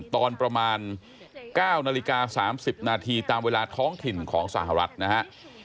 ตอนประมาณ๙นาฬิกา๓๐นาทีตามเวลาท้องถิ่นของสหรัฐนะฮะ